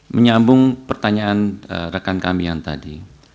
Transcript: menyambung pertanyaan rekan kami yang tadi